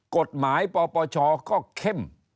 กฎหมายปปชก็เข้ม